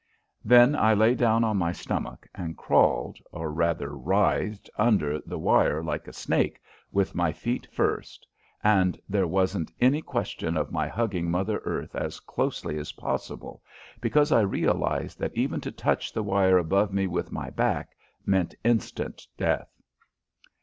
Then I lay down on my stomach and crawled or rather writhed under the wire like a snake, with my feet first, and there wasn't any question of my hugging Mother Earth as closely as possible, because I realized that even to touch the wire above me with my back meant instant death.